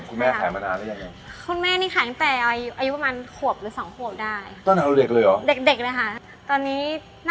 คิดผสมผสมกัน